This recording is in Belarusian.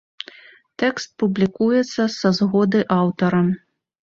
Тэкст публікуецца са згоды аўтара.